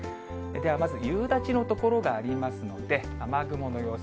では、まず夕立の所がありますので、雨雲の様子。